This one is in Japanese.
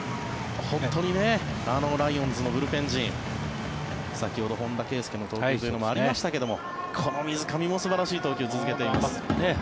本当にライオンズのブルペン陣先ほど本田圭佑の投球もありましたがこの水上も素晴らしい投球を続けています。